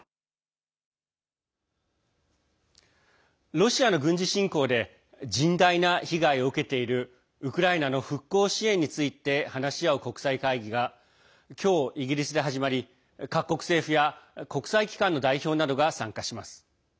ロシアの軍事侵攻で甚大な被害を受けているウクライナの復興支援について話し合う国際会議が今日、イギリスで始まり各国政府や国際機関の代表などが参加します。